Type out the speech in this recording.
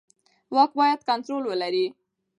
واک باید کنټرول ولري